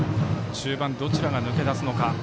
中盤、どちらが抜け出すのか。